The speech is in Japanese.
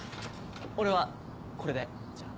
俺はこれでじゃあ。